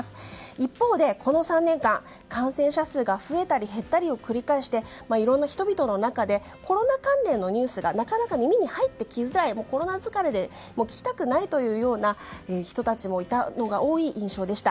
一方でこの３年間感染者数が増えたり減ったりを繰り返していろいろな人々の中でコロナ関連のニュースがなかなか耳に入ってきづらいコロナ疲れで聞きたくないというような人たちもいたのが多い印象でした。